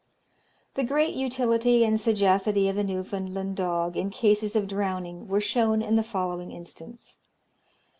The great utility and sagacity of the Newfoundland dog, in cases of drowning, were shown in the following instance.